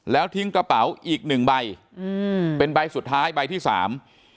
แล้วทิ้งกระเป๋าอีกหนึ่งใบอืมเป็นใบสุดท้ายใบที่สาม